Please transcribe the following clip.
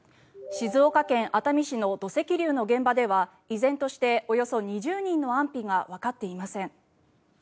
静岡県熱海市の土石流の現場では依然としておよそ２０人の安否がわかっていません。